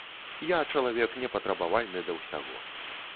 Я чалавек непатрабавальны да ўсяго.